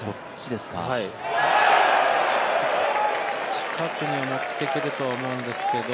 近くまでは持ってけると思うんですけど。